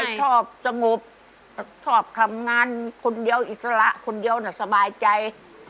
ชอบสงบชอบทำงานคนเดียวอิสระคนเดียวน่ะสบายใจ